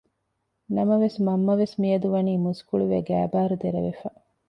ނަމަވެސް މަންމަވެސް މިއަދު ވަނީ މުސްކުޅިވެ ގައިބާރު ދެރަވެފަ